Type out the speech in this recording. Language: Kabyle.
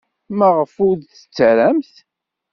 Maɣef ur d-tettarramt?